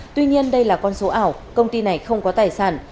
tuy nhiên đây là con số ảo công ty này không có tài sản